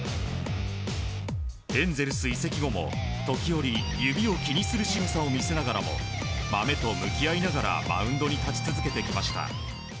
エンゼルス移籍後も、時折、指を気にするしぐさを見せながらもマメと向き合いながらマウンドに立ち続けてきました。